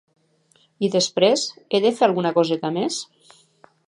I després, he de fer alguna coseta més?